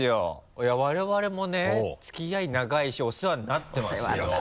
いや我々もね付き合い長いしお世話になってますから。